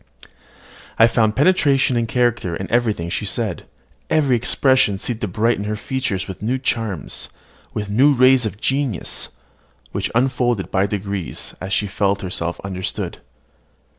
I found penetration and character in everything she said: every expression seemed to brighten her features with new charms, with new rays of genius, which unfolded by degrees, as she felt herself understood.